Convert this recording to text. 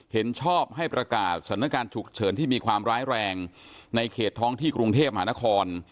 เห็นชอบให้ประกาศสถานการณ์ฉุกเฉินที่มีความร้ายแรงในเขตท้องที่กรุงเทพมหานคร